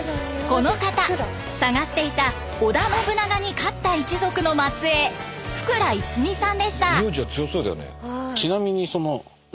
この方捜していた織田信長に勝った一族の末えい福羅逸己さんでした。